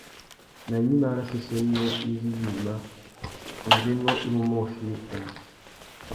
Nà gnïmá râ séssénô izí yïmá, ngundzénô i mú môchï : nhêê.